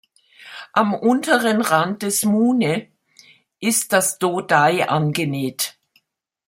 Am unteren Rand des Mune ist das Dō-dai angenäht.